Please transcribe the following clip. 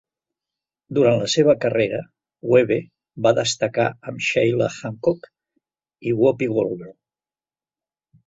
Durant la seva carrera, Webbe va destacar amb Sheila Hancock i Whoopi Goldberg.